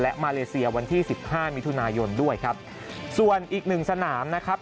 และมาเลเซียวันที่สิบห้ามิถุนายนด้วยครับส่วนอีกหนึ่งสนามนะครับ